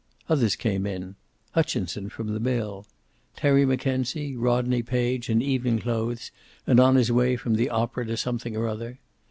Others came in. Hutchinson, from the mill. Terry Mackenzie, Rodney Page, in evening clothes and on his way from the opera to something or other.